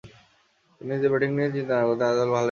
তিনি নিজ ব্যাটিং নিয়ে চিন্তা না করতেন তাহলেই বেশ ভাল করতেন।